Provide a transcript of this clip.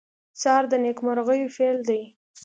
سهار د نیکمرغیو پېل دی.